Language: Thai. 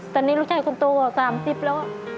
แต่นี่ลูกชายคนโตกว่า๓๐แล้ว